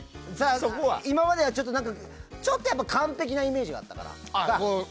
今までは、ちょっと完璧なイメージがあったから。